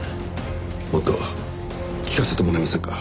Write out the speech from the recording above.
もっと聞かせてもらえませんか？